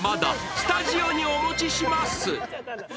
スタジオにお持ちします。